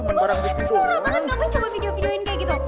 luar banget gak apa apa coba video videoin kayak gitu